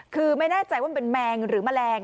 คือไม่แน่ใจว่ามันเป็นแมงหรือแมลง